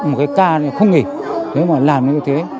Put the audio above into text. một cái ca này không nghỉ thế mà làm như thế